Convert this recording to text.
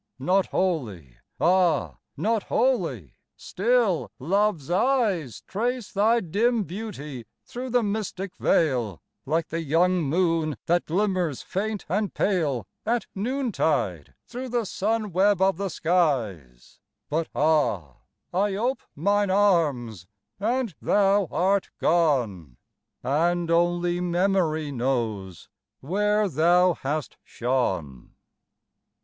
Not wholly ah! not wholly still Love's eyes Trace thy dim beauty through the mystic veil, Like the young moon that glimmers faint and pale, At noontide through the sun web of the skies; But ah! I ope mine arms, and thou art gone, And only Memory knows where thou hast shone.